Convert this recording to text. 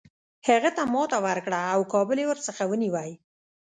هغه ته ماته ورکړه او کابل یې ورڅخه ونیوی.